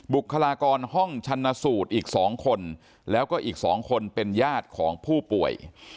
บุคลากรห้องชันสูตรอีก๒คนแล้วก็อีก๒คนเป็นญาติของผู้ป่วย